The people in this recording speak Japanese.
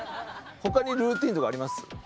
他にルーティンとかあります？